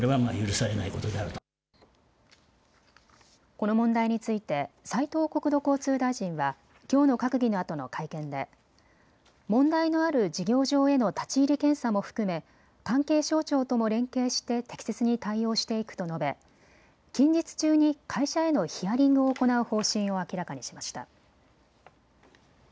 この問題について斉藤国土交通大臣はきょうの閣議のあとの会見で問題のある事業場への立ち入り検査も含め関係省庁とも連携して適切に対応していくと述べ近日中に会社へのヒアリングを行う方針を明らかにしました。